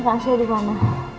kau kasih aku dimana